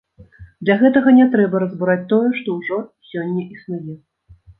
Для гэтага не трэба разбураць тое, што ўжо сёння існуе.